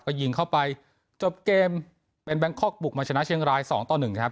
ก็ยิงเข้าไปจบเกมเป็นแบงคอกบุกมาชนะเชียงรายสองต่อหนึ่งครับ